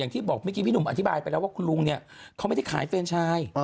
ที่บอกเมื่อกี้พี่หนุ่มอธิบายไปแล้วว่าคุณลุงเนี่ยเขาไม่ได้ขายแฟนชาย